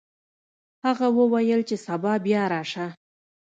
هغه وویل چې سبا بیا راشه.